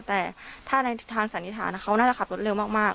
แต่ถ้าในทางสันนิษฐานเขาน่าจะขับรถเร็วมาก